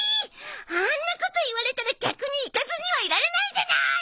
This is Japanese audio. あんなこと言われたら逆に行かずにはいられないじゃなーい！